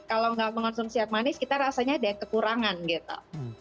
kalau nggak mengonsumsi yang manis kita rasanya ada kekurangan gitu